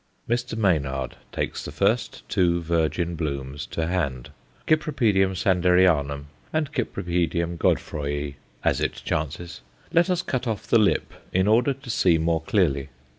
Mr. Maynard takes the two first virgin blooms to hand: Cypripedium Sanderianum, and Cypripedium Godefroyæ, as it chances. Let us cut off the lip in order to see more clearly.